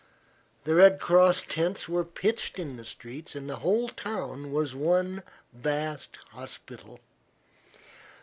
The Red Cross tents were pitched in the streets and the whole town was one vast hospital.